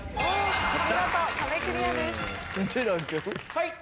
はい。